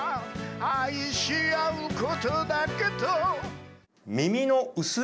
「愛し合うことだけと」